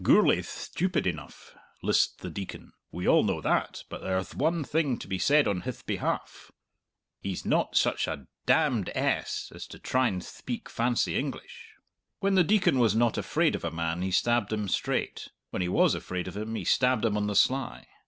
"Gourlay'th stupid enough," lisped the Deacon; "we all know that. But there'th one thing to be said on hith behalf. He's not such a 'demned ess' as to try and thpeak fancy English!" When the Deacon was not afraid of a man he stabbed him straight; when he was afraid of him he stabbed him on the sly.